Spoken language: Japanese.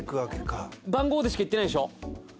番号でしかいってないでしょ？